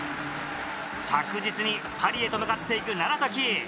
着実にパリへと向かっていく楢。